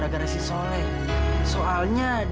saya sendiri saya sudah melakukan uang